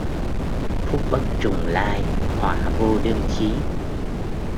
Phúc bất trùng lai, hoạ vô đơn chí.